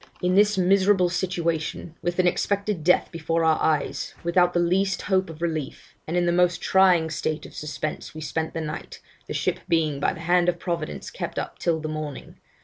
'In this miserable situation, with an expected death before our eyes, without the least hope of relief, and in the most trying state of suspense, we spent the night, the ship being by the hand of Providence kept up till the morning.